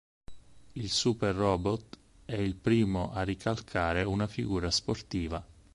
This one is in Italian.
Il Super Robot è il primo a "ricalcare" una figura sportiva.